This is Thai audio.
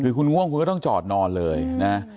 คือคุณง่วงคุณก็ต้องจอดนอนเลยนะ